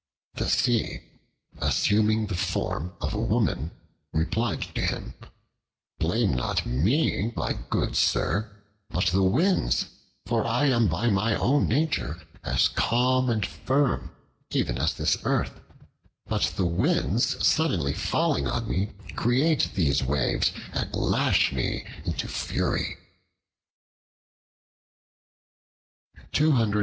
The Sea, assuming the form of a woman, replied to him: "Blame not me, my good sir, but the winds, for I am by my own nature as calm and firm even as this earth; but the winds suddenly falling on me create these waves, and lash me into fury."